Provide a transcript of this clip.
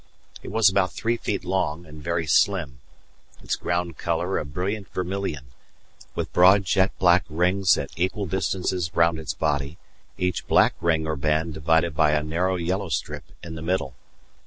It was about three feet long, and very slim; its ground colour a brilliant vermilion, with broad jet black rings at equal distances round its body, each black ring or band divided by a narrow yellow strip in the middle.